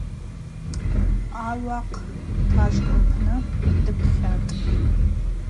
Ауахъ тажвкӏ лпны дпхьатӏ.